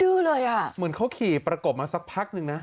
เลยอ่ะเหมือนเขาขี่ประกบมาสักพักหนึ่งนะ